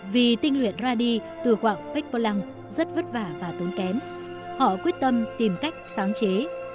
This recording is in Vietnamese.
vì tinh luyện radi từ quảng pech polang rất vất vả và tốn kém họ quyết tâm tìm cách sáng chế